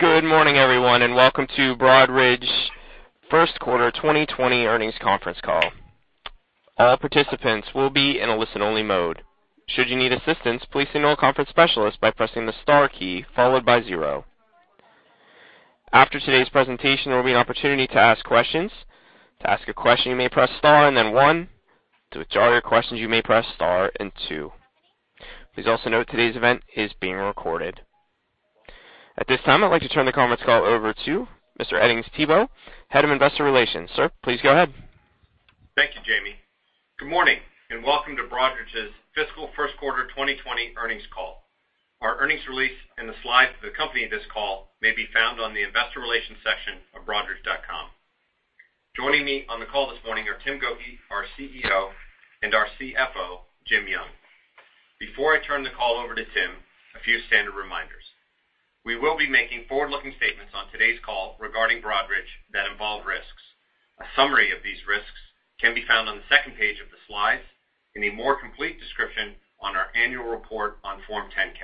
Good morning, everyone, and welcome to Broadridge first quarter 2020 earnings conference call. All participants will be in a listen-only mode. Should you need assistance, please signal a conference specialist by pressing the star key followed by zero. After today's presentation, there will be an opportunity to ask questions. To ask a question, you may press star and then one. To withdraw your questions, you may press star and two. Please also note today's event is being recorded. At this time, I'd like to turn the conference call over to Mr. Edings Thibault, Head of Investor Relations. Sir, please go ahead. Thank you, Jim. Good morning and welcome to Broadridge's fiscal first quarter 2020 earnings call. Our earnings release and the slides that accompany this call may be found on the investor relations section of broadridge.com. Joining me on the call this morning are Tim Gokey, our CEO, and our CFO, Jim Young. Before I turn the call over to Tim, a few standard reminders. We will be making forward-looking statements on today's call regarding Broadridge that involve risks. A summary of these risks can be found on the second page of the slides, and a more complete description on our annual report on Form 10-K.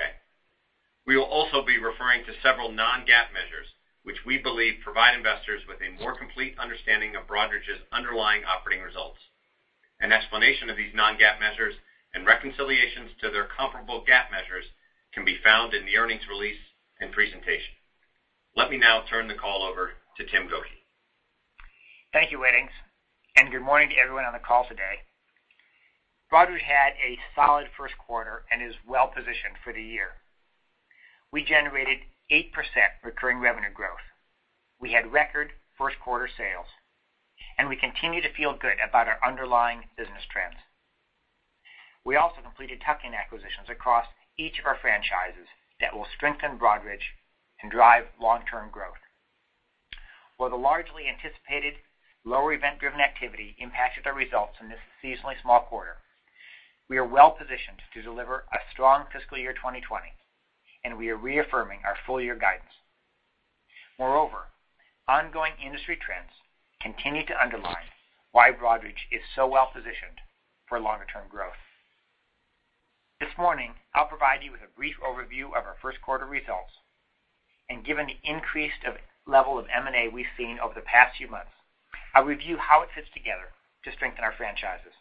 We will also be referring to several non-GAAP measures, which we believe provide investors with a more complete understanding of Broadridge's underlying operating results. An explanation of these non-GAAP measures and reconciliations to their comparable GAAP measures can be found in the earnings release and presentation. Let me now turn the call over to Tim Gokey. Thank you, Edings, and good morning to everyone on the call today. Broadridge had a solid first quarter and is well-positioned for the year. We generated 8% recurring revenue growth. We had record first-quarter sales. We continue to feel good about our underlying business trends. We also completed tuck-in acquisitions across each of our franchises that will strengthen Broadridge and drive long-term growth. While the largely anticipated lower event-driven activity impacted our results in this seasonally small quarter, we are well-positioned to deliver a strong fiscal year 2020, and we are reaffirming our full-year guidance. Ongoing industry trends continue to underline why Broadridge is so well-positioned for longer-term growth. This morning, I'll provide you with a brief overview of our first quarter results, and given the increased level of M&A we've seen over the past few months, I'll review how it fits together to strengthen our franchises.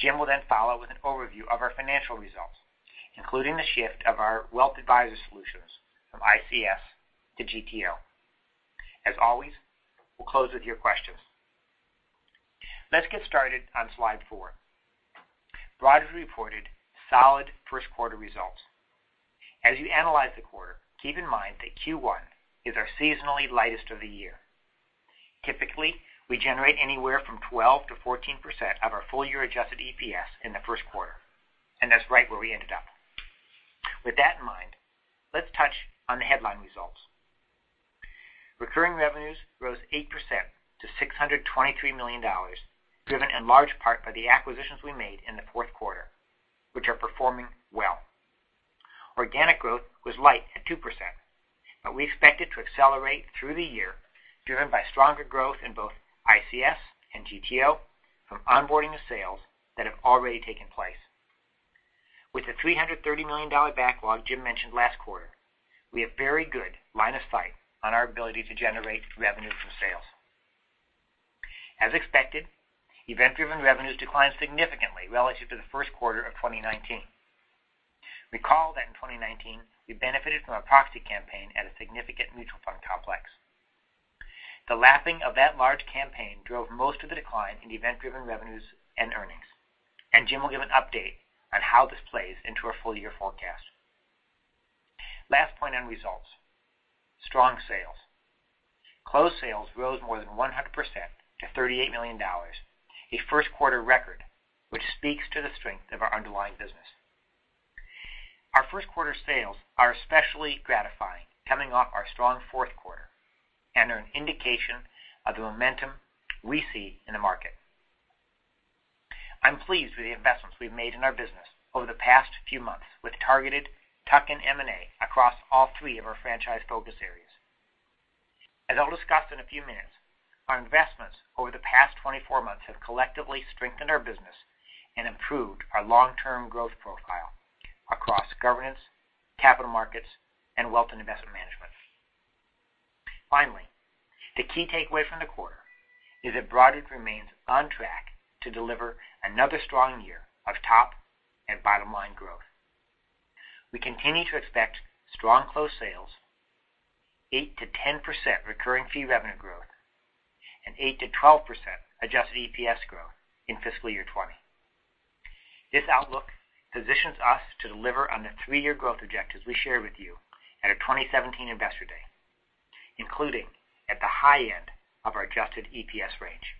Jim will then follow with an overview of our financial results, including the shift of our Advisor Solutions from ICS to GTO. As always, we will close with your questions. Let's get started on slide four. Broadridge reported solid first quarter results. As you analyze the quarter, keep in mind that Q1 is our seasonally lightest of the year. Typically, we generate anywhere from 12%-14% of our full-year adjusted EPS in the first quarter, and that is right where we ended up. With that in mind, let's touch on the headline results. Recurring revenues rose 8% to $623 million, driven in large part by the acquisitions we made in the fourth quarter, which are performing well. Organic growth was light at 2%, but we expect it to accelerate through the year, driven by stronger growth in both ICS and GTO from onboarding of sales that have already taken place. With the $330 million backlog Jim mentioned last quarter, we have very good line of sight on our ability to generate revenue from sales. As expected, event-driven revenues declined significantly relative to the first quarter of 2019. Recall that in 2019, we benefited from a proxy campaign at a significant mutual fund complex. The lapping of that large campaign drove most of the decline in event-driven revenues and earnings. Jim will give an update on how this plays into our full-year forecast. Last point on results, strong sales. Closed sales rose more than 100% to $38 million, a first-quarter record, which speaks to the strength of our underlying business. Our first quarter sales are especially gratifying coming off our strong fourth quarter and are an indication of the momentum we see in the market. I'm pleased with the investments we've made in our business over the past few months with targeted tuck-in M&A across all three of our franchise focus areas. As I'll discuss in a few minutes, our investments over the past 24 months have collectively strengthened our business and improved our long-term growth profile across governance, capital markets, and wealth and investment management. The key takeaway from the quarter is that Broadridge remains on track to deliver another strong year of top and bottom-line growth. We continue to expect strong closed sales, 8% to 10% recurring fee revenue growth, and 8% to 12% adjusted EPS growth in fiscal year 2020. This outlook positions us to deliver on the three-year growth objectives we shared with you at our 2017 Investor Day, including at the high end of our adjusted EPS range.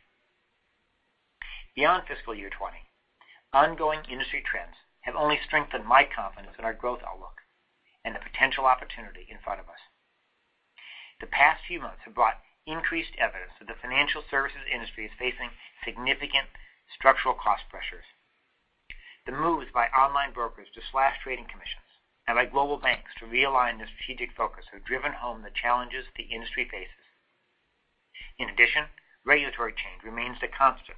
Beyond fiscal year 2020, ongoing industry trends have only strengthened my confidence in our growth outlook and the potential opportunity in front of us. The past few months have brought increased evidence that the financial services industry is facing significant structural cost pressures. The moves by online brokers to slash trading commissions and by global banks to realign their strategic focus have driven home the challenges the industry faces. In addition, regulatory change remains the constant,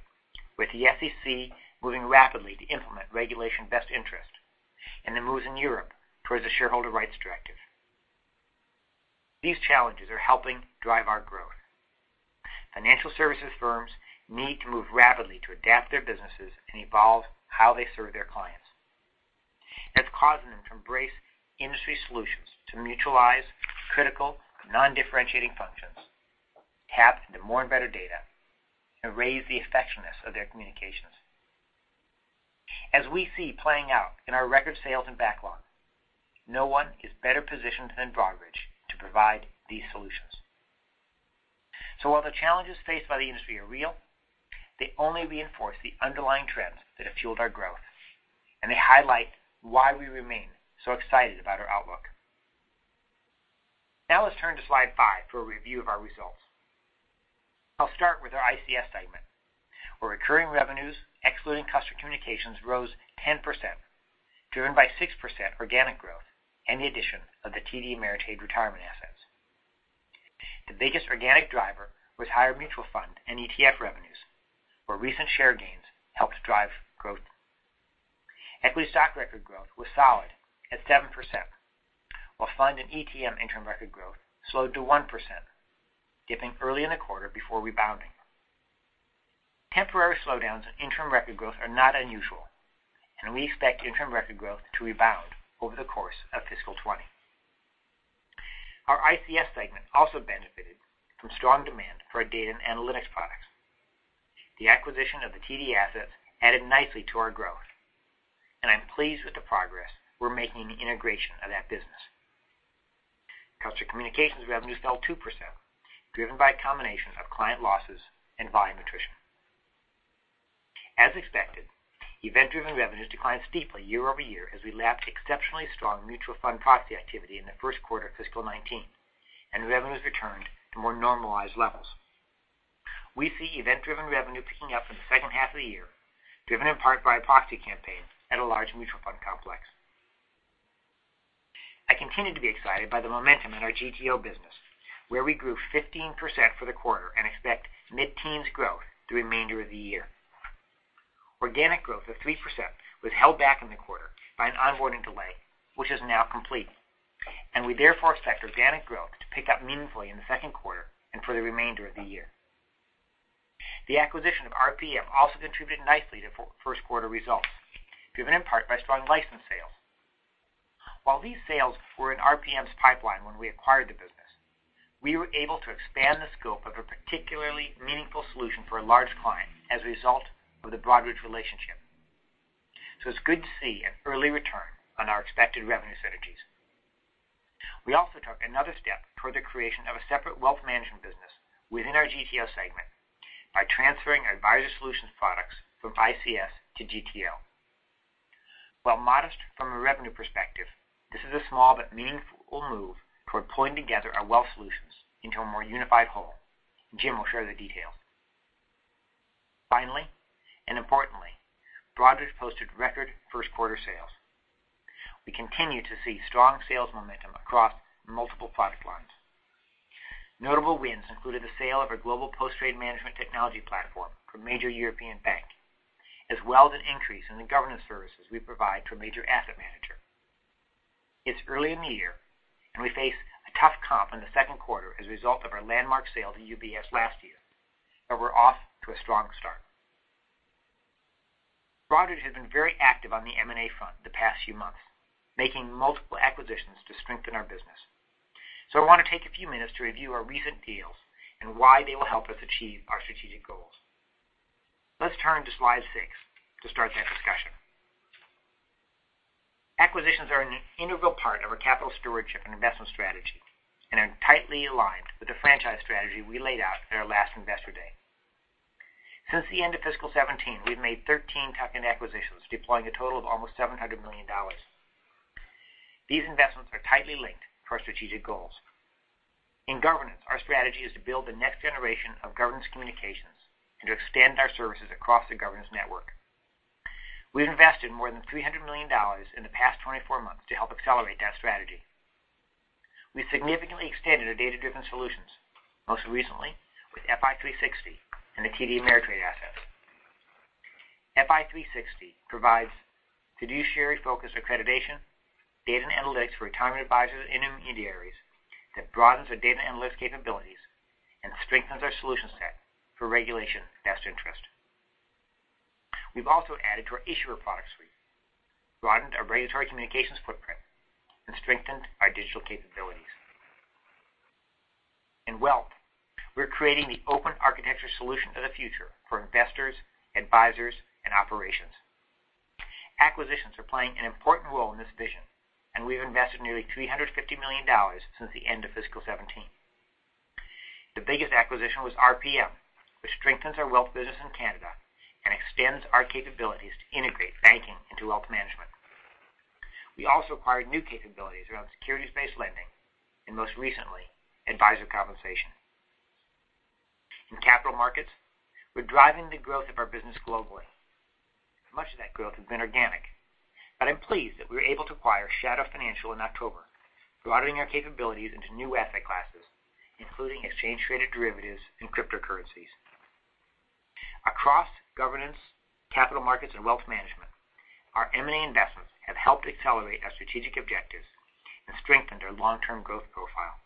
with the SEC moving rapidly to implement Regulation Best Interest, and the moves in Europe towards the Shareholder Rights Directive. These challenges are helping drive our growth. Financial services firms need to move rapidly to adapt their businesses and evolve how they serve their clients. That's causing them to embrace industry solutions to mutualize critical non-differentiating functions, tap into more and better data, and raise the effectiveness of their communications. As we see playing out in our record sales and backlog, no one is better positioned than Broadridge to provide these solutions. While the challenges faced by the industry are real, they only reinforce the underlying trends that have fueled our growth, and they highlight why we remain so excited about our outlook. Let's turn to slide five for a review of our results. I'll start with our ICS segment, where recurring revenues, excluding Customer Communications, rose 10%, driven by 6% organic growth and the addition of the TD Ameritrade retirement assets. The biggest organic driver was higher mutual fund and ETF revenues, where recent share gains helped drive growth. Equity stock record growth was solid at 7%, while fund and ETF interim record growth slowed to 1%, dipping early in the quarter before rebounding. Temporary slowdowns in interim record growth are not unusual, and we expect interim record growth to rebound over the course of fiscal 2020. Our ICS segment also benefited from strong demand for our data and analytics products. The acquisition of the TD assets added nicely to our growth, and I'm pleased with the progress we're making in the integration of that business. Customer Communications revenue fell 2%, driven by a combination of client losses and volume attrition. As expected, event-driven revenues declined steeply year-over-year as we lapped exceptionally strong mutual fund proxy activity in the first quarter of fiscal 2019, and revenues returned to more normalized levels. We see event-driven revenue picking up in the second half of the year, driven in part by a proxy campaign at a large mutual fund complex. I continue to be excited by the momentum in our GTO business, where we grew 15% for the quarter and expect mid-teens growth the remainder of the year. Organic growth of 3% was held back in the quarter by an onboarding delay, which is now complete, we therefore expect organic growth to pick up meaningfully in the second quarter and for the remainder of the year. The acquisition of RPM also contributed nicely to first quarter results, driven in part by strong license sales. While these sales were in RPM's pipeline when we acquired the business, we were able to expand the scope of a particularly meaningful solution for a large client as a result of the Broadridge relationship. It's good to see an early return on our expected revenue synergies. We also took another step toward the creation of a separate wealth management business within our GTO segment by transferring our Advisor Solutions products from ICS to GTO. While modest from a revenue perspective, this is a small but meaningful move toward pulling together our wealth solutions into a more unified whole. Jim will share the details. Finally, and importantly, Broadridge posted record first quarter sales. We continue to see strong sales momentum across multiple product lines. Notable wins included the sale of our global post-trade management technology platform for a major European bank, as well as an increase in the governance services we provide to a major asset manager. It's early in the year, and we face a tough comp in the second quarter as a result of our landmark sale to UBS last year, but we're off to a strong start. Broadridge has been very active on the M&A front the past few months, making multiple acquisitions to strengthen our business. I want to take a few minutes to review our recent deals and why they will help us achieve our strategic goals. Let's turn to slide six to start that discussion. Acquisitions are an integral part of our capital stewardship and investment strategy and are tightly aligned with the franchise strategy we laid out at our last Investor Day. Since the end of fiscal 2017, we've made 13 tuck-in acquisitions, deploying a total of almost $700 million. These investments are tightly linked to our strategic goals. In governance, our strategy is to build the next generation of governance communications and to extend our services across the governance network. We've invested more than $300 million in the past 24 months to help accelerate that strategy. We've significantly extended our data-driven solutions, most recently with Fi360 and the TD Ameritrade assets. Fi360 provides fiduciary-focused accreditation, data and analytics for retirement advisors and intermediaries that broadens our data analytics capabilities and strengthens our solution set for Regulation Best Interest. We've also added to our issuer product suite, broadened our regulatory communications footprint, and strengthened our digital capabilities. In wealth, we're creating the open architecture solution of the future for investors, advisors, and operations. Acquisitions are playing an important role in this vision, and we've invested nearly $350 million since the end of fiscal 2017. The biggest acquisition was RPM, which strengthens our wealth business in Canada and extends our capabilities to integrate banking into wealth management. We also acquired new capabilities around securities-based lending and, most recently, advisor compensation. In capital markets, we're driving the growth of our business globally. Much of that growth has been organic. I'm pleased that we were able to acquire Shadow Financial in October, broadening our capabilities into new asset classes, including exchange-traded derivatives and cryptocurrencies. Across governance, capital markets, and wealth management, our M&A investments have helped accelerate our strategic objectives and strengthened our long-term growth profile.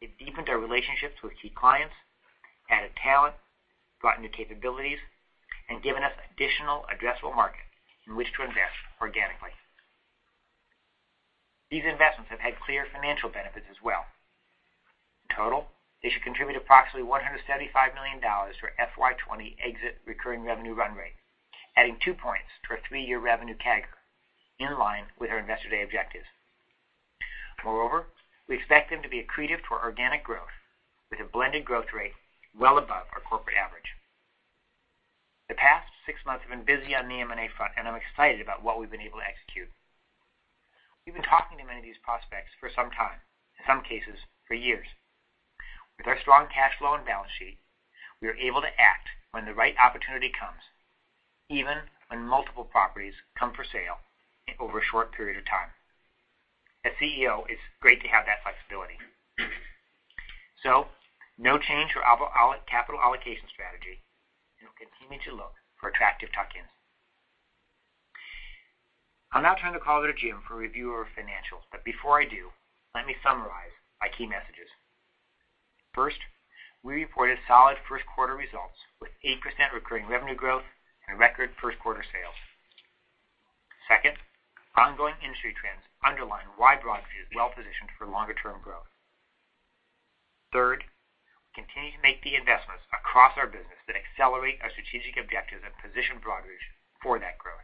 It deepened our relationships with key clients, added talent, brought new capabilities, and given us additional addressable market in which to invest organically. These investments have had clear financial benefits as well. In total, they should contribute approximately $175 million to our FY20 exit recurring revenue run rate, adding two points to our three-year revenue CAGR, in line with our Investor Day objectives. Moreover, we expect them to be accretive for organic growth, with a blended growth rate well above our corporate average. The past six months have been busy on the M&A front, and I'm excited about what we've been able to execute. We've been talking to many of these prospects for some time, in some cases for years. With our strong cash flow and balance sheet, we are able to act when the right opportunity comes, even when multiple properties come for sale over a short period of time. As CEO, it's great to have that flexibility. No change to our capital allocation strategy, and we'll continue to look for attractive tuck-ins. I'll now turn the call over to Jim for a review of our financials. Before I do, let me summarize my key messages. First, we reported solid first quarter results with 8% recurring revenue growth and record first quarter sales. Second, ongoing industry trends underline why Broadridge is well-positioned for longer-term growth. We continue to make the investments across our business that accelerate our strategic objectives and position Broadridge for that growth.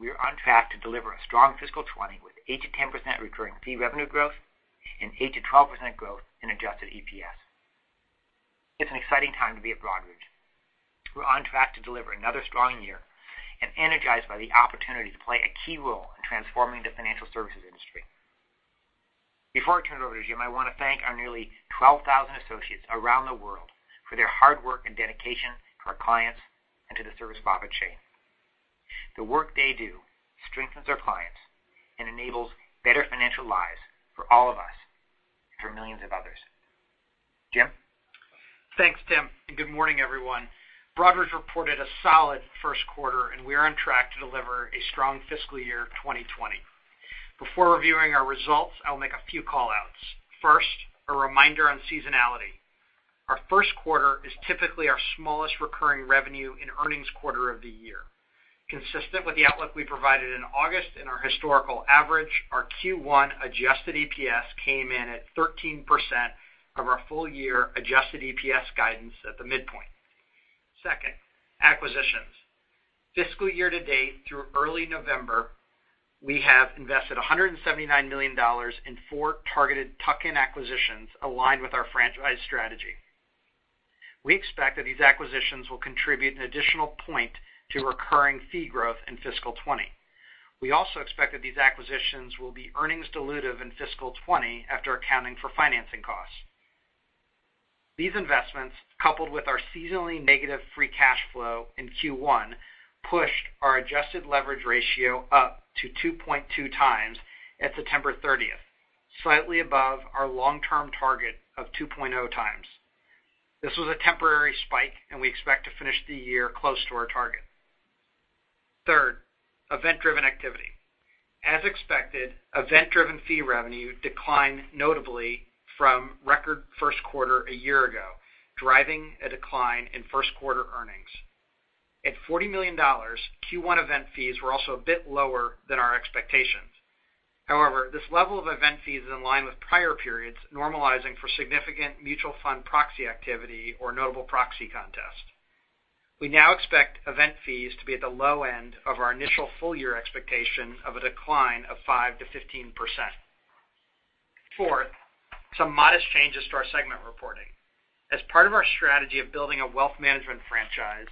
We are on track to deliver a strong FY20, with 8%-10% recurring fee revenue growth and 8%-12% growth in adjusted EPS. It's an exciting time to be at Broadridge. We're on track to deliver another strong year and energized by the opportunity to play a key role in transforming the financial services industry. Before I turn it over to Jim, I want to thank our nearly 12,000 associates around the world for their hard work and dedication to our clients and to the service profit chain. The work they do strengthens our clients and enables better financial lives for all of us and for millions of others. Jim? Thanks, Tim, and good morning, everyone. Broadridge reported a solid first quarter. We are on track to deliver a strong fiscal year 2020. Before reviewing our results, I will make a few call-outs. First, a reminder on seasonality. Our first quarter is typically our smallest recurring revenue and earnings quarter of the year. Consistent with the outlook we provided in August and our historical average, our Q1 adjusted EPS came in at 13% of our full-year adjusted EPS guidance at the midpoint. Second, acquisitions. Fiscal year to date through early November, we have invested $179 million in four targeted tuck-in acquisitions aligned with our franchise strategy. We expect that these acquisitions will contribute an additional point to recurring fee growth in FY 2020. We also expect that these acquisitions will be earnings dilutive in FY 2020 after accounting for financing costs. These investments, coupled with our seasonally negative free cash flow in Q1, pushed our adjusted leverage ratio up to 2.2 times at September 30th, slightly above our long-term target of 2.0 times. This was a temporary spike. We expect to finish the year close to our target. Third, event-driven activity. As expected, event-driven fee revenue declined notably from record first quarter a year ago, driving a decline in first-quarter earnings. At $40 million, Q1 event fees were also a bit lower than our expectations. However, this level of event fee is in line with prior periods, normalizing for significant mutual fund proxy activity or notable proxy contests. We now expect event fees to be at the low end of our initial full-year expectation of a decline of 5%-15%. Fourth, some modest changes to our segment reporting. As part of our strategy of building a wealth management franchise,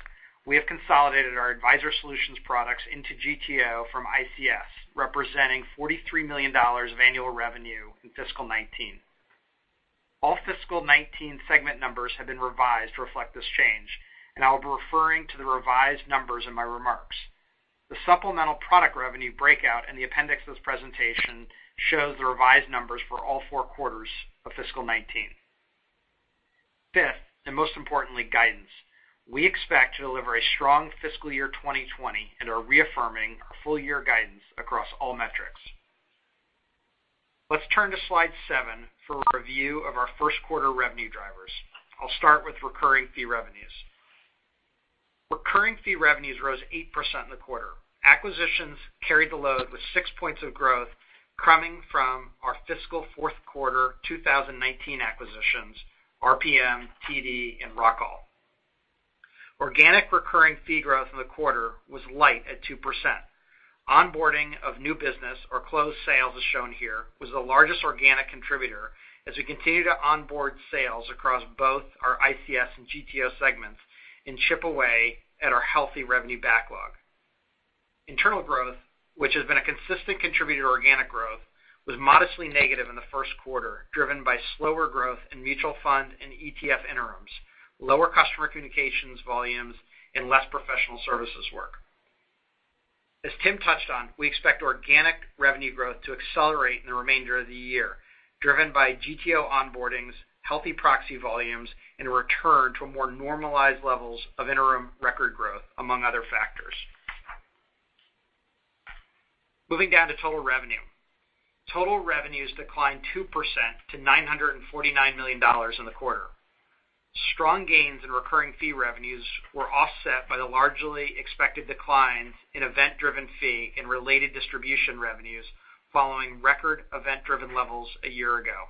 we have consolidated our Advisor Solutions products into GTO from ICS, representing $43 million of annual revenue in fiscal 2019. All fiscal 2019 segment numbers have been revised to reflect this change. I will be referring to the revised numbers in my remarks. The supplemental product revenue breakout in the appendix of this presentation shows the revised numbers for all four quarters of fiscal 2019. Fifth, most importantly, guidance. We expect to deliver a strong fiscal year 2020. We are reaffirming our full-year guidance across all metrics. Let's turn to slide seven for a review of our first quarter revenue drivers. I'll start with recurring fee revenues. Recurring fee revenues rose 8% in the quarter. Acquisitions carried the load with six points of growth coming from our fiscal fourth quarter 2019 acquisitions, RPM, TD, and Rockall. Organic recurring fee growth in the quarter was light at 2%. Onboarding of new business or closed sales, as shown here, was the largest organic contributor as we continue to onboard sales across both our ICS and GTO segments and chip away at our healthy revenue backlog. Internal growth, which has been a consistent contributor to organic growth, was modestly negative in the first quarter, driven by slower growth in mutual fund and ETF interims, lower Customer Communications volumes, and less professional services work. As Tim touched on, we expect organic revenue growth to accelerate in the remainder of the year, driven by GTO onboardings, healthy proxy volumes, and a return to more normalized levels of interim record growth, among other factors. Moving down to total revenue. Total revenues declined 2% to $949 million in the quarter. Strong gains in recurring fee revenues were offset by the largely expected declines in event-driven fee and related distribution revenues following record event-driven levels a year ago.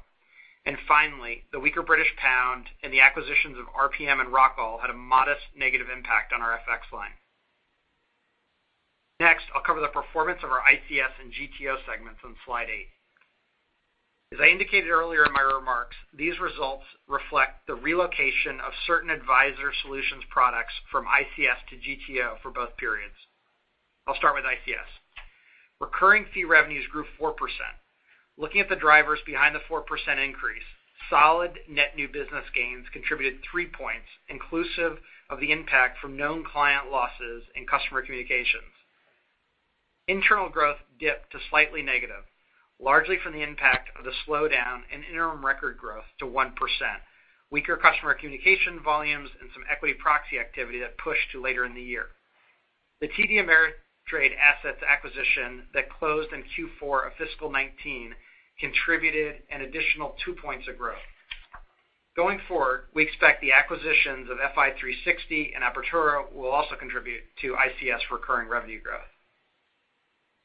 Finally, the weaker British pound and the acquisitions of RPM and Rockall had a modest negative impact on our FX line. Next, I'll cover the performance of our ICS and GTO segments on slide eight. As I indicated earlier in my remarks, these results reflect the relocation of certain Advisor Solutions products from ICS to GTO for both periods. I'll start with ICS. Recurring fee revenues grew 4%. Looking at the drivers behind the 4% increase, solid net new business gains contributed three points, inclusive of the impact from known client losses in Customer Communications. Internal growth dipped to slightly negative, largely from the impact of the slowdown in interim record growth to 1%, weaker Customer Communications volumes, and some equity proxy activity that pushed to later in the year. The TD Ameritrade assets acquisition that closed in Q4 of fiscal 2019 contributed an additional two points of growth. Going forward, we expect the acquisitions of Fi360 and Appatura will also contribute to ICS recurring revenue growth.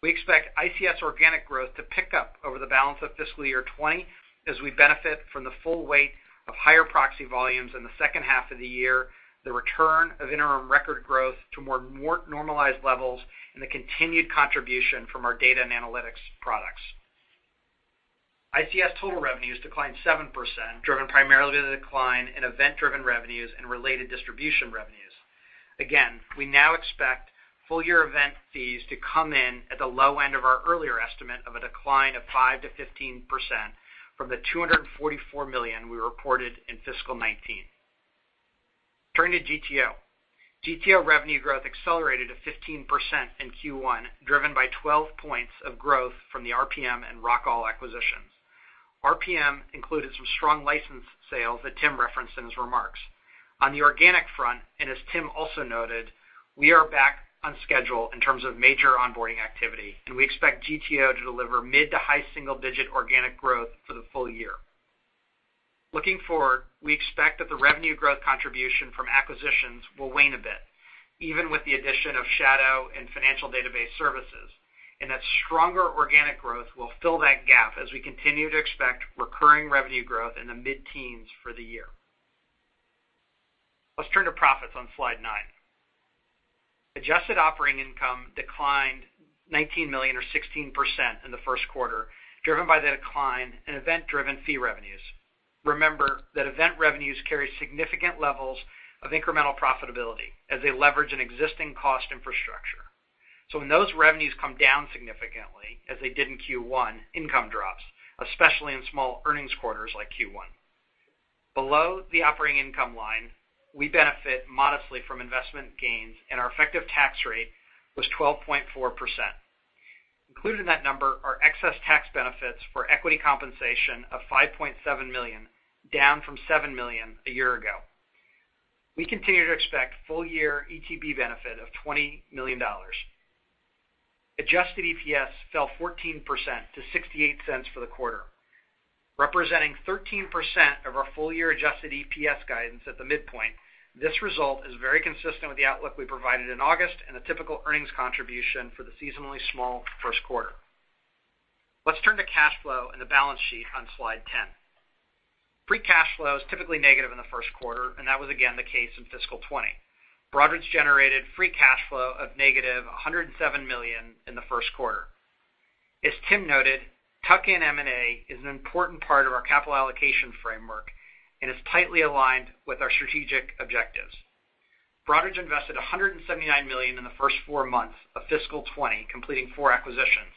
We expect ICS organic growth to pick up over the balance of fiscal year 2020 as we benefit from the full weight of higher proxy volumes in the second half of the year, the return of interim record growth to more normalized levels, and the continued contribution from our data and analytics products. ICS total revenues declined 7%, driven primarily by the decline in event-driven revenues and related distribution revenues. We now expect full-year event fees to come in at the low end of our earlier estimate of a decline of 5%-15% from the $244 million we reported in fiscal 2019. Turning to GTO. GTO revenue growth accelerated to 15% in Q1, driven by 12 points of growth from the RPM and Rockall acquisitions. RPM included some strong license sales that Tim referenced in his remarks. On the organic front, and as Tim also noted, we are back on schedule in terms of major onboarding activity, and we expect GTO to deliver mid to high single-digit organic growth for the full year. Looking forward, we expect that the revenue growth contribution from acquisitions will wane a bit, even with the addition of Shadow and Financial Database Services, and that stronger organic growth will fill that gap as we continue to expect recurring revenue growth in the mid-teens for the year. Let's turn to profits on slide nine. Adjusted operating income declined $19 million or 16% in the first quarter, driven by the decline in event-driven fee revenues. Remember that event revenues carry significant levels of incremental profitability as they leverage an existing cost infrastructure. When those revenues come down significantly, as they did in Q1, income drops, especially in small earnings quarters like Q1. Below the operating income line, we benefit modestly from investment gains, and our effective tax rate was 12.4%. Included in that number are excess tax benefits for equity compensation of $5.7 million, down from $7 million a year ago. We continue to expect full-year ETB benefit of $20 million. Adjusted EPS fell 14% to $0.68 for the quarter. Representing 13% of our full-year adjusted EPS guidance at the midpoint, this result is very consistent with the outlook we provided in August and a typical earnings contribution for the seasonally small first quarter. Let's turn to cash flow and the balance sheet on slide 10. Free cash flow is typically negative in the first quarter, and that was again the case in fiscal 2020. Broadridge generated free cash flow of negative $107 million in the first quarter. As Tim noted, tuck-in M&A is an important part of our capital allocation framework and is tightly aligned with our strategic objectives. Broadridge invested $179 million in the first four months of fiscal 2020, completing four acquisitions.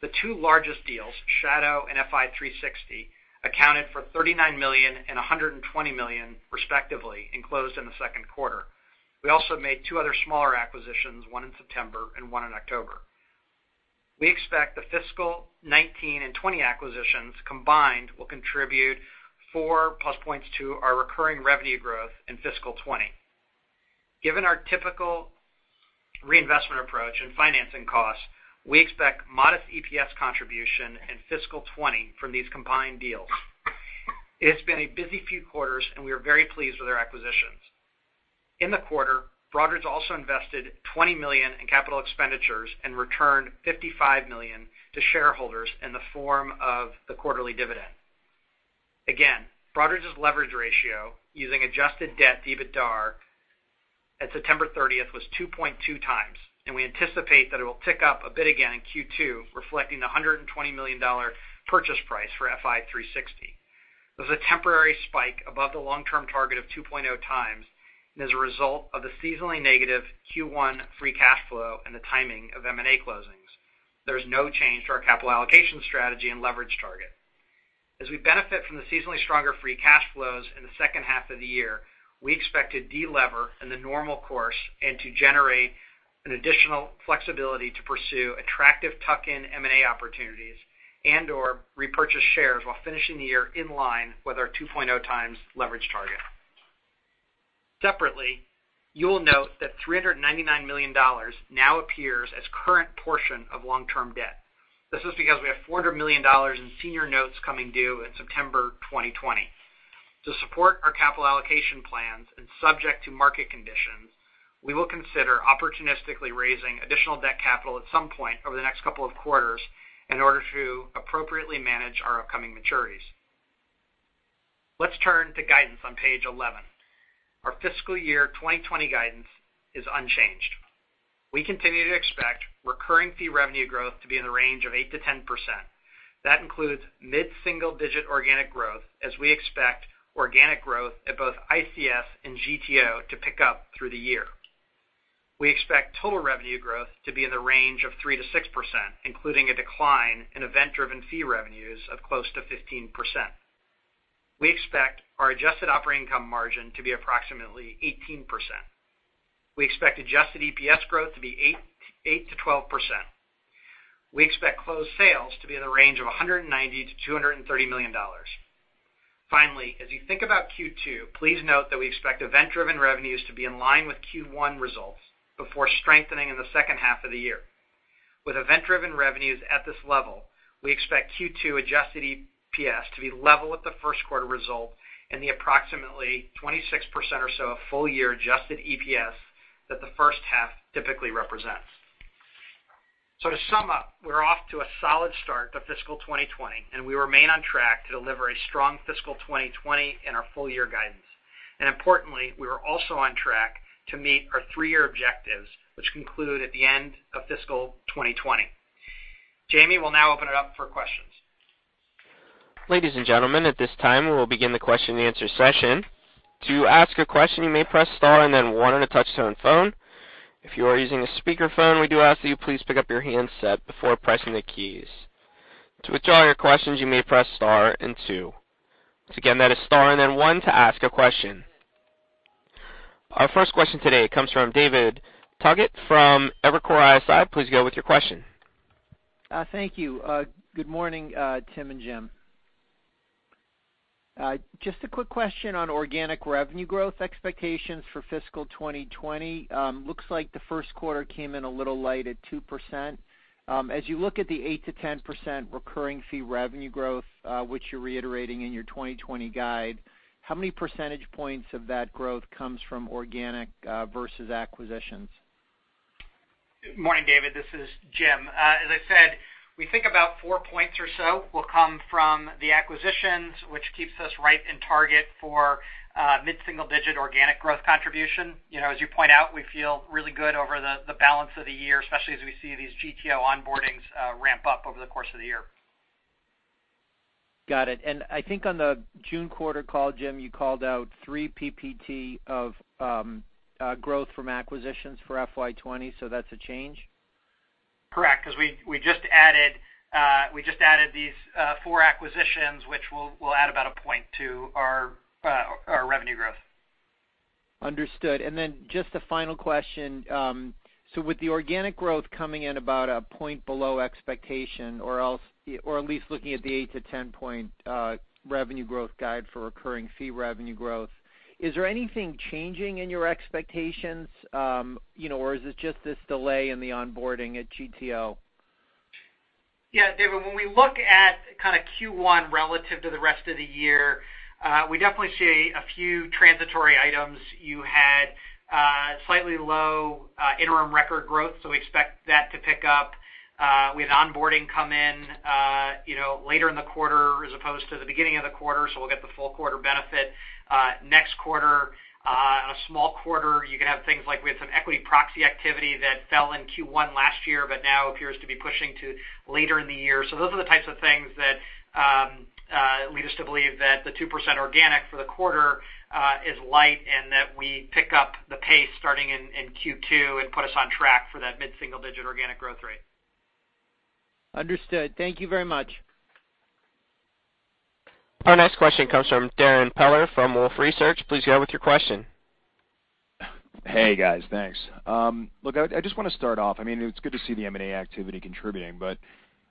The two largest deals, Shadow and Fi360, accounted for $39 million and $120 million, respectively, and closed in the second quarter. We also made two other smaller acquisitions, one in September and one in October. We expect the fiscal 2019 and 2020 acquisitions combined will contribute four-plus points to our recurring revenue growth in fiscal 2020. Given our typical reinvestment approach and financing costs, we expect modest EPS contribution in fiscal 2020 from these combined deals. It has been a busy few quarters, and we are very pleased with our acquisitions. In the quarter, Broadridge also invested $20 million in capital expenditures and returned $55 million to shareholders in the form of the quarterly dividend. Again, Broadridge's leverage ratio using adjusted debt to EBITDA at September 30th was 2.2 times, and we anticipate that it will tick up a bit again in Q2, reflecting the $120 million purchase price for Fi360. There's a temporary spike above the long-term target of 2.0 times, and as a result of the seasonally negative Q1 free cash flow and the timing of M&A closings. There is no change to our capital allocation strategy and leverage target. As we benefit from the seasonally stronger free cash flows in the second half of the year, we expect to de-lever in the normal course and to generate an additional flexibility to pursue attractive tuck-in M&A opportunities and/or repurchase shares while finishing the year in line with our 2.0 times leverage target. Separately, you will note that $399 million now appears as current portion of long-term debt. This is because we have $400 million in senior notes coming due in September 2020. To support our capital allocation plans and subject to market conditions, we will consider opportunistically raising additional debt capital at some point over the next couple of quarters in order to appropriately manage our upcoming maturities. Let's turn to guidance on page 11. Our fiscal year 2020 guidance is unchanged. We continue to expect recurring fee revenue growth to be in the range of 8%-10%. That includes mid-single-digit organic growth, as we expect organic growth at both ICS and GTO to pick up through the year. We expect total revenue growth to be in the range of 3%-6%, including a decline in event-driven fee revenues of close to 15%. We expect our adjusted operating income margin to be approximately 18%. We expect adjusted EPS growth to be 8%-12%. We expect closed sales to be in the range of $190 million-$230 million. As you think about Q2, please note that we expect event-driven revenues to be in line with Q1 results before strengthening in the second half of the year. With event-driven revenues at this level, we expect Q2 adjusted EPS to be level with the first quarter result and the approximately 26% or so of full-year adjusted EPS that the first half typically represents. To sum up, we're off to a solid start to fiscal 2020, and we remain on track to deliver a strong fiscal 2020 in our full-year guidance. Importantly, we are also on track to meet our three-year objectives, which conclude at the end of fiscal 2020. Jim will now open it up for questions. Ladies and gentlemen, at this time, we will begin the question and answer session. To ask a question, you may press star and then one on a touch-tone phone. If you are using a speakerphone, we do ask that you please pick up your handset before pressing the keys. To withdraw your questions, you may press star and two. Again, that is star and then one to ask a question. Our first question today comes from David Togut from Evercore ISI. Please go with your question. Thank you. Good morning, Tim and Jim. Just a quick question on organic revenue growth expectations for fiscal 2020. Looks like the first quarter came in a little light at 2%. As you look at the 8%-10% recurring fee revenue growth, which you're reiterating in your 2020 guide, how many percentage points of that growth comes from organic versus acquisitions? Good morning, David. This is Jim. As I said, we think about four points or so will come from the acquisitions, which keeps us right in target for mid-single-digit organic growth contribution. As you point out, we feel really good over the balance of the year, especially as we see these GTO onboardings ramp up over the course of the year. Got it. I think on the June quarter call, Jim, you called out three percentage points of growth from acquisitions for FY 2020, so that's a change? Correct, because we just added these four acquisitions, which will add about a point to our revenue growth. Understood. Just a final question. With the organic growth coming in about a point below expectation or at least looking at the 8 to 10-point revenue growth guide for recurring fee revenue growth, is there anything changing in your expectations? Is it just this delay in the onboarding at GTO? David, when we look at Q1 relative to the rest of the year, we definitely see a few transitory items. You had slightly low interim record growth. We expect that to pick up. We had onboarding come in later in the quarter as opposed to the beginning of the quarter. We'll get the full quarter benefit. Next quarter, a small quarter, you can have things like we had some equity proxy activity that fell in Q1 last year, but now appears to be pushing to later in the year. Those are the types of things that lead us to believe that the 2% organic for the quarter is light and that we pick up the pace starting in Q2 and put us on track for that mid-single-digit organic growth rate. Understood. Thank you very much. Our next question comes from Darrin Peller from Wolfe Research. Please go with your question. Hey, guys. Thanks. Look, I just want to start off, it's good to see the M&A activity contributing, but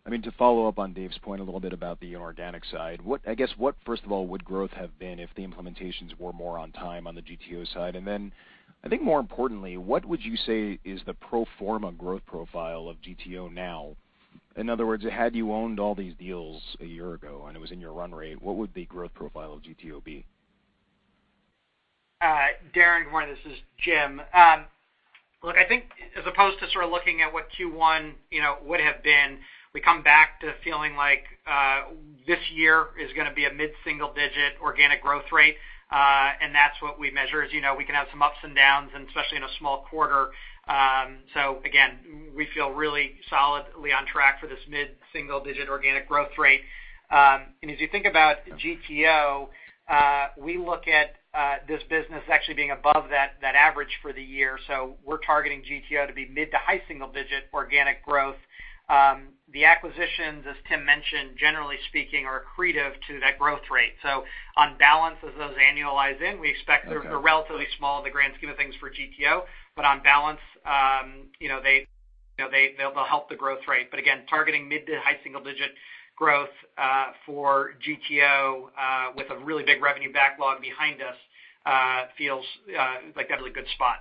to follow up on David's point a little bit about the organic side. I guess, what, first of all, would growth have been if the implementations were more on time on the GTO side? I think more importantly, what would you say is the pro forma growth profile of GTO now? In other words, had you owned all these deals a year ago, and it was in your run rate, what would the growth profile of GTO be? Darrin, good morning. This is Jim. Look, I think as opposed to sort of looking at what Q1 would have been, we come back to feeling like this year is going to be a mid-single-digit organic growth rate. That's what we measure. As you know, we can have some ups and downs, and especially in a small quarter. Again, we feel really solidly on track for this mid-single-digit organic growth rate. As you think about GTO, we look at this business actually being above that average for the year. We're targeting GTO to be mid to high single-digit organic growth. The acquisitions, as Tim mentioned, generally speaking, are accretive to that growth rate. On balance, as those annualize in, we expect they're relatively small in the grand scheme of things for GTO, but on balance they'll help the growth rate. Again, targeting mid to high single-digit growth for GTO with a really big revenue backlog behind us feels like that is a good spot.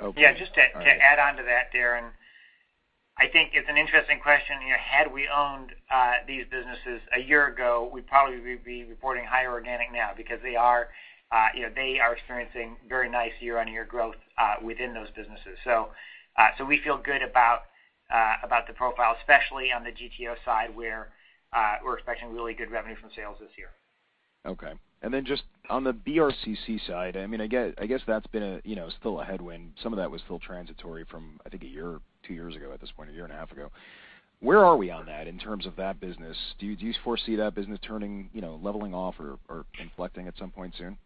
Okay. Yeah, just to add on to that, Darrin, I think it's an interesting question. Had we owned these businesses a year ago, we'd probably be reporting higher organic now because they are experiencing very nice year-on-year growth within those businesses. We feel good about the profile, especially on the GTO side, where we're expecting really good revenue from sales this year. Okay. Just on the BRCC side, I guess that's been still a headwind. Some of that was still transitory from, I think, one year or two years ago at this point, one and a half years ago. Where are we on that in terms of that business? Do you foresee that business turning, leveling off or inflecting at some point soon?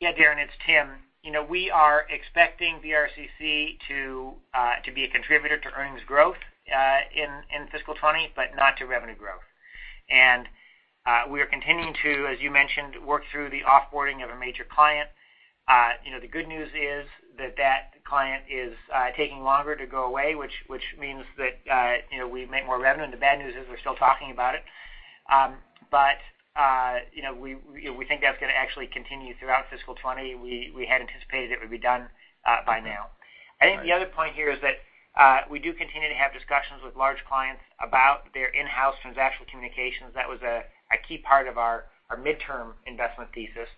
Darrin, it's Tim. We are expecting BRCC to be a contributor to earnings growth in fiscal 2020, but not to revenue growth. We are continuing to, as you mentioned, work through the off-boarding of a major client. The good news is that that client is taking longer to go away, which means that we make more revenue. The bad news is we're still talking about it. We think that's going to actually continue throughout fiscal 2020. We had anticipated it would be done by now. All right. I think the other point here is that we do continue to have discussions with large clients about their in-house transactional communications. That was a key part of our midterm investment thesis.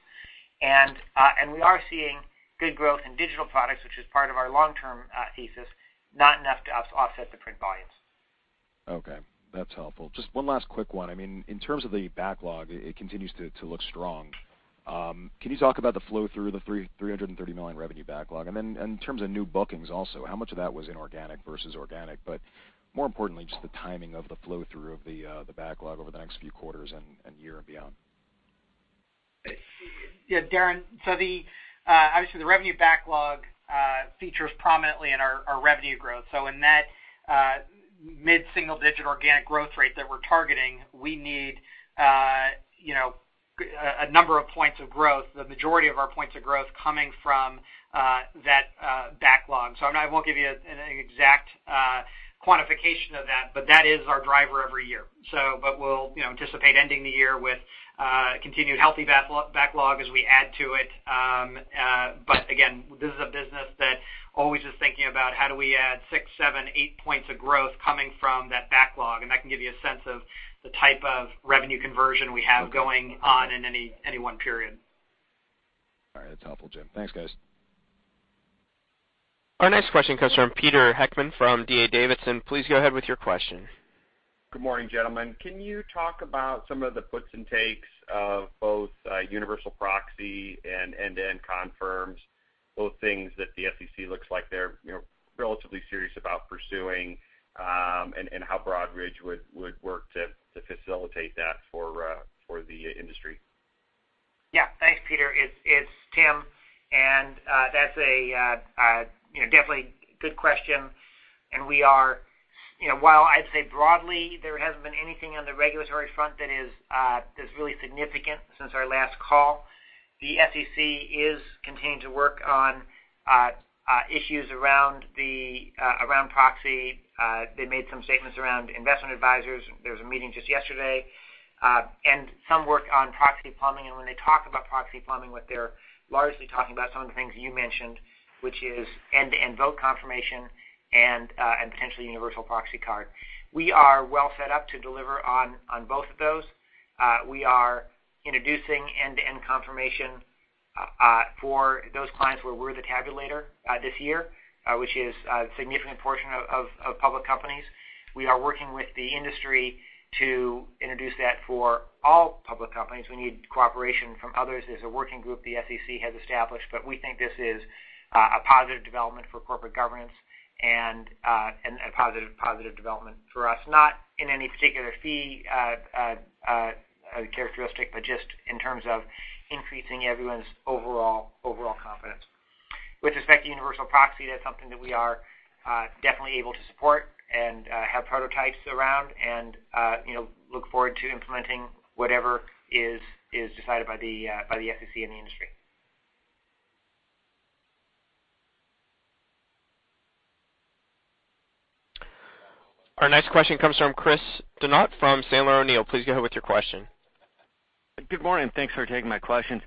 We are seeing good growth in digital products, which is part of our long-term thesis, not enough to offset the print volumes. Okay, that's helpful. Just one last quick one. In terms of the backlog, it continues to look strong. Can you talk about the flow through the $330 million revenue backlog? Then in terms of new bookings also, how much of that was inorganic versus organic? More importantly, just the timing of the flow through of the backlog over the next few quarters and year and beyond. Yeah, Darrin, obviously the revenue backlog features prominently in our revenue growth. In that mid-single digit organic growth rate that we're targeting, we need a number of points of growth, the majority of our points of growth coming from that backlog. I won't give you an exact quantification of that, but that is our driver every year. We'll anticipate ending the year with a continued healthy backlog as we add to it. Again, this is a business that always is thinking about how do we add six, seven, eight points of growth coming from that backlog, and that can give you a sense of the type of revenue conversion we have going on in any one period. All right. That's helpful, Jim. Thanks, guys. Our next question comes from Peter Heckmann from D.A. Davidson. Please go ahead with your question. Good morning, gentlemen. Can you talk about some of the puts and takes of both universal proxy and end-to-end confirms, both things that the SEC looks like they're relatively serious about pursuing, and how Broadridge would work to facilitate that for the industry? Yeah, thanks, Peter. It's Tim, that's definitely a good question. While I'd say broadly there hasn't been anything on the regulatory front that is really significant since our last call, the SEC is continuing to work on issues around proxy. They made some statements around investment advisors. There was a meeting just yesterday, and some work on proxy plumbing. When they talk about proxy plumbing, what they're largely talking about is some of the things you mentioned, which is end-to-end vote confirmation and potentially universal proxy card. We are well set up to deliver on both of those. We are introducing end-to-end confirmation for those clients where we're the tabulator this year, which is a significant portion of public companies. We are working with the industry to introduce that for all public companies. We need cooperation from others. There's a working group the SEC has established. We think this is a positive development for corporate governance and a positive development for us, not in any particular fee characteristic, but just in terms of increasing everyone's overall confidence. With respect to universal proxy, that's something that we are definitely able to support and have prototypes around, and look forward to implementing whatever is decided by the SEC and the industry. Our next question comes from Chris Donat from Sandler O'Neill. Please go ahead with your question. Good morning. Thanks for taking my questions.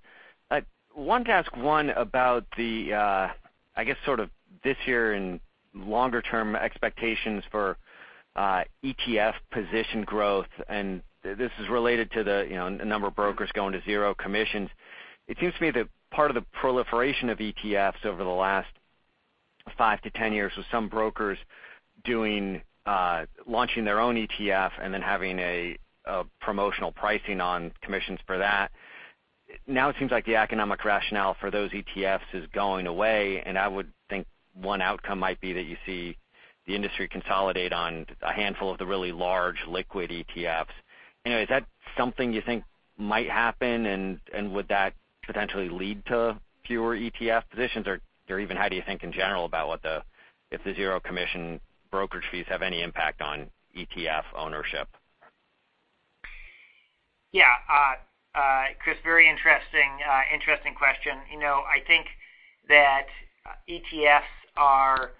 I wanted to ask, one, about the, I guess sort of this year and longer-term expectations for ETF position growth, and this is related to the number of brokers going to zero commissions. It seems to me that part of the proliferation of ETFs over the last 5-10 years was some brokers launching their own ETF and then having a promotional pricing on commissions for that. Now it seems like the economic rationale for those ETFs is going away, and I would think one outcome might be that you see the industry consolidate on a handful of the really large liquid ETFs. Anyway, is that something you think might happen? Would that potentially lead to fewer ETF positions? Even how do you think in general about if the zero commission brokerage fees have any impact on ETF ownership? Yeah. Chris, very interesting question. I think that ETFs are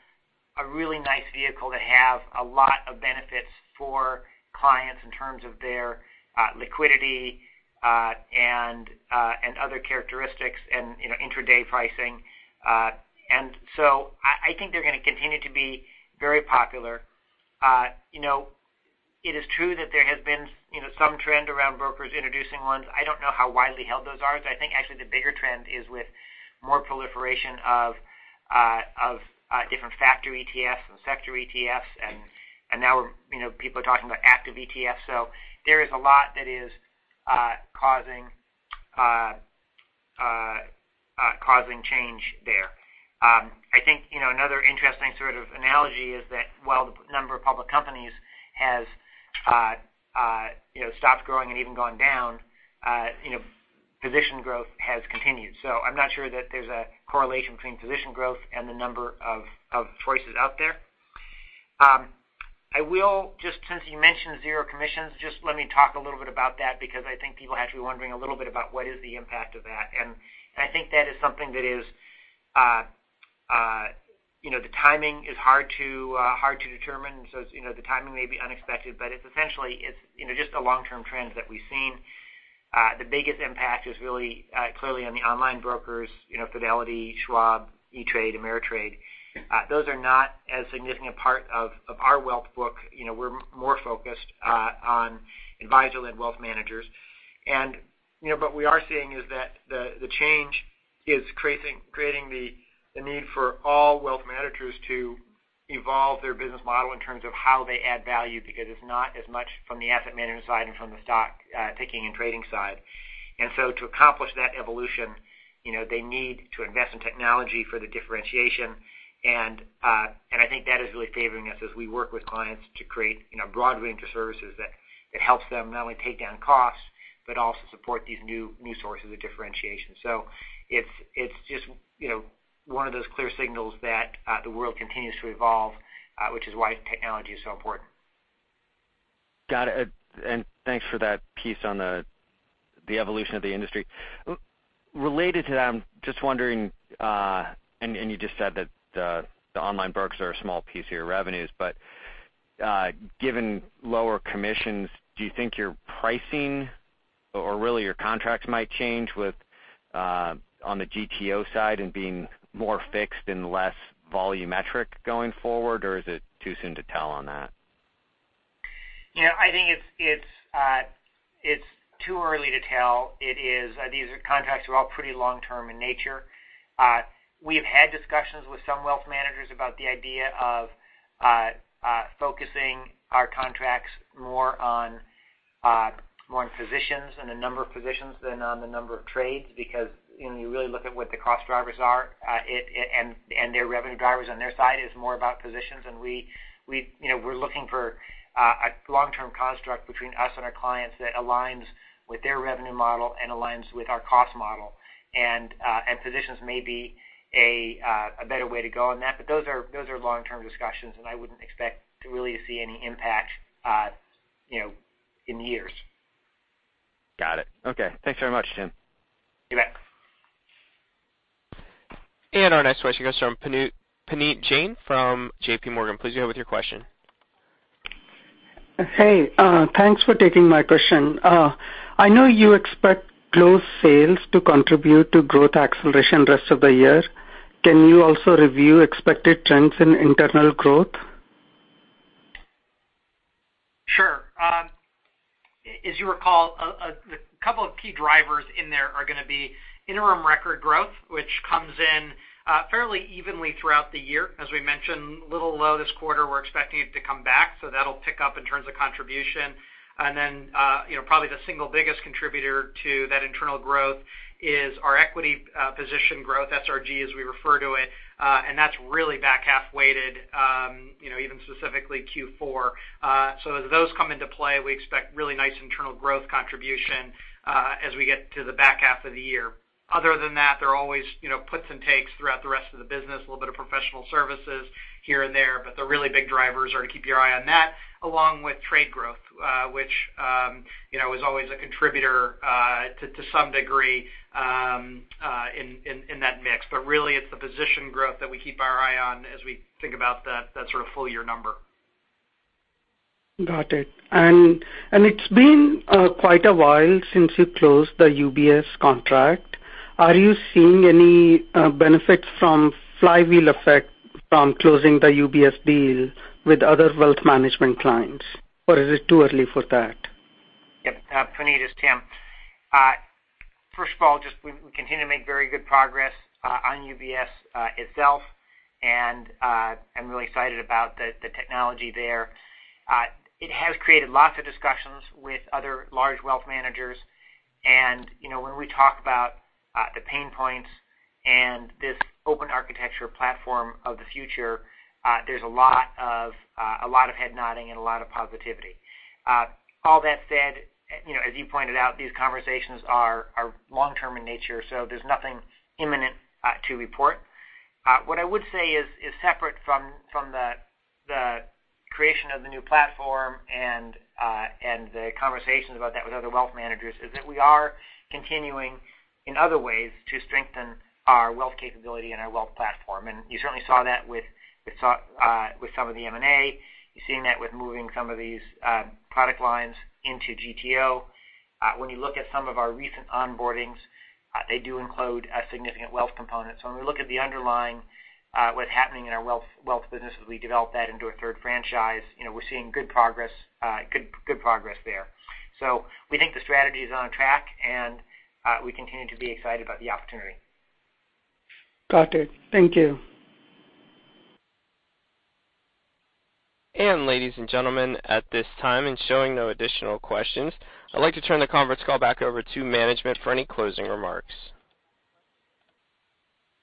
a really nice vehicle that have a lot of benefits for clients in terms of their liquidity and other characteristics and intraday pricing. I think they're going to continue to be very popular. It is true that there has been some trend around brokers introducing ones. I don't know how widely held those are. I think actually the bigger trend is with more proliferation of different factor ETFs and sector ETFs, and now people are talking about active ETFs. There is a lot that is causing change there. I think another interesting sort of analogy is that while the number of public companies has stopped growing and even gone down, position growth has continued. I'm not sure that there's a correlation between position growth and the number of choices out there. Since you mentioned zero commissions, just let me talk a little bit about that, because I think people have to be wondering a little bit about what is the impact of that. I think that is something that the timing is hard to determine. The timing may be unexpected, but it's essentially just a long-term trend that we've seen. The biggest impact is really clearly on the online brokers, Fidelity, Schwab, E*TRADE, Ameritrade. Those are not as significant part of our wealth book. We're more focused on advisor-led wealth managers. We are seeing is that the change is creating the need for all wealth managers to evolve their business model in terms of how they add value, because it's not as much from the asset management side and from the stock-taking and trading side. To accomplish that evolution, they need to invest in technology for the differentiation, and I think that is really favoring us as we work with clients to create broad range of services that it helps them not only take down costs, but also support these new sources of differentiation. It's just one of those clear signals that the world continues to evolve, which is why technology is so important. Got it. Thanks for that piece on the evolution of the industry. Related to that, I'm just wondering, you just said that the online brokers are a small piece of your revenues, given lower commissions, do you think your pricing or really your contracts might change on the GTO side and being more fixed and less volumetric going forward? Is it too soon to tell on that? I think it's too early to tell. These contracts are all pretty long-term in nature. We've had discussions with some wealth managers about the idea of focusing our contracts more on positions and the number of positions than on the number of trades, because when you really look at what the cost drivers are, their revenue drivers on their side is more about positions. We're looking for a long-term construct between us and our clients that aligns with their revenue model and aligns with our cost model. Positions may be a better way to go on that. Those are long-term discussions, and I wouldn't expect to really see any impact in years. Got it. Okay. Thanks very much, Tim. You bet. Our next question goes from Puneet Jain from JPMorgan. Please go with your question. Hey, thanks for taking my question. I know you expect closed sales to contribute to growth acceleration rest of the year. Can you also review expected trends in internal growth? Sure. As you recall, a couple of key drivers in there are going to be interim record growth, which comes in fairly evenly throughout the year. As we mentioned, a little low this quarter, we're expecting it to come back, so that'll pick up in terms of contribution. Then probably the single biggest contributor to that internal growth is our equity position growth, SRG as we refer to it. That's really back half weighted, even specifically Q4. As those come into play, we expect really nice internal growth contribution as we get to the back half of the year. Other than that, there are always puts and takes throughout the rest of the business, a little bit of professional services here and there, but the really big drivers are to keep your eye on that, along with trade growth which is always a contributor to some degree in that mix. Really, it's the position growth that we keep our eye on as we think about that sort of full year number. Got it. It's been quite a while since you closed the UBS contract. Are you seeing any benefits from flywheel effect from closing the UBS deal with other wealth management clients? Or is it too early for that? Yep. Puneet, it's Tim. First of all, just we continue to make very good progress on UBS itself. I'm really excited about the technology there. It has created lots of discussions with other large wealth managers. When we talk about the pain points and this open architecture platform of the future, there's a lot of head nodding and a lot of positivity. All that said, as you pointed out, these conversations are long-term in nature, so there's nothing imminent to report. What I would say is separate from the creation of the new platform and the conversations about that with other wealth managers, is that we are continuing in other ways to strengthen our wealth capability and our wealth platform. You certainly saw that with some of the M&A. You're seeing that with moving some of these product lines into GTO. When you look at some of our recent onboardings, they do include a significant wealth component. When we look at the underlying, what's happening in our wealth business as we develop that into a third franchise, we're seeing good progress there. We think the strategy is on track, and we continue to be excited about the opportunity. Got it. Thank you. Ladies and gentlemen, at this time, and showing no additional questions, I'd like to turn the conference call back over to management for any closing remarks.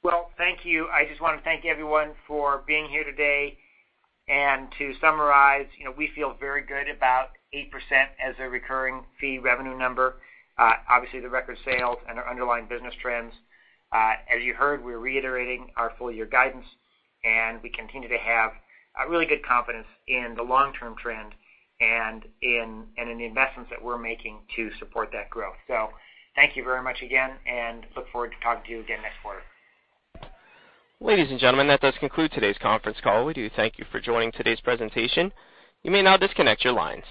Well, thank you. I just want to thank everyone for being here today. To summarize, we feel very good about 8% as a recurring fee revenue number. Obviously, the record sales and our underlying business trends. As you heard, we're reiterating our full-year guidance, and we continue to have really good confidence in the long-term trend and in the investments that we're making to support that growth. Thank you very much again, and look forward to talking to you again next quarter. Ladies and gentlemen, that does conclude today's conference call. We do thank you for joining today's presentation. You may now disconnect your lines.